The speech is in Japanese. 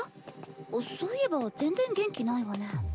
あっそういえば全然元気ないわね。